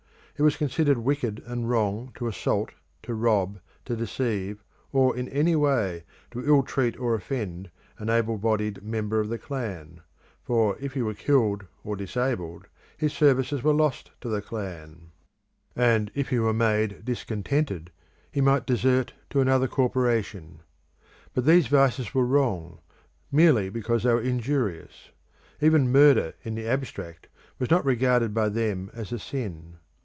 It was considered wicked and wrong to assault, to rob, to deceive, or in any way to ill treat or offend an able bodied member of the clan; for, if he were killed or disabled, his services were lost to the clan, and if he were made discontented he might desert to another corporation. But these vices were wrong, merely because they were injurious; even murder in the abstract was not regarded by them as a sin.